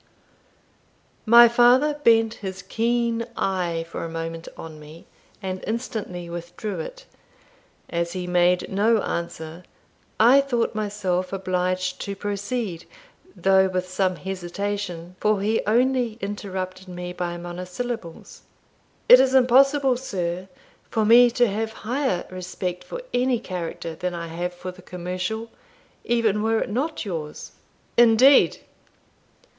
My father bent his keen eye for a moment on me, and instantly withdrew it. As he made no answer, I thought myself obliged to proceed, though with some hesitation, and he only interrupted me by monosyllables. "It is impossible, sir, for me to have higher respect for any character than I have for the commercial, even were it not yours." "Indeed!"